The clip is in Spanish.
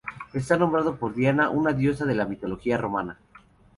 Está nombrado por Diana, una diosa de la mitología romana.